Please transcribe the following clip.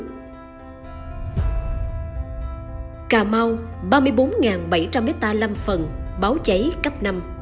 cà mau ba mươi bốn bảy trăm linh hectare lâm phần báo cháy cấp năm